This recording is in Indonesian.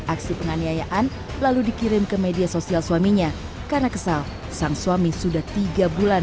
aksi penganiayaan lalu dikirim ke media sosial suaminya karena kesal sang suami sudah tiga bulan